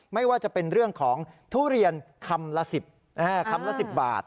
ไม่ว่าจะเป็นเรื่องของทุเรียนคำละ๑๐คำละ๑๐บาท